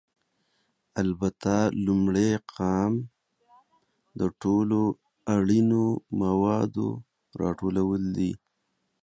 البته، لومړی ګام د ټولو اړینو موادو راټولول دي.